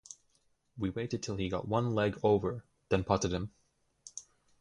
We waited till he got one leg over then potted him.